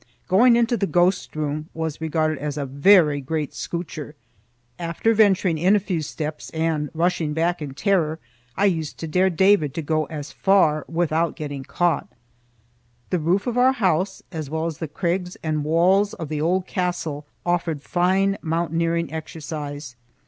Going into the ghost room was regarded as a very great scootcher. After venturing in a few steps and rushing back in terror, I used to dare David to go as far without getting caught. The roof of our house, as well as the crags and walls of the old castle, offered fine mountaineering exercise.